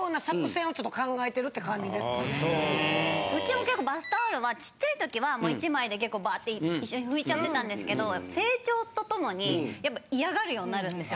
うちも結構バスタオルはちっちゃいときはもう１枚で結構バァって一緒に拭いちゃってたんですけど成長と共にやっぱ嫌がるようになるんですよ。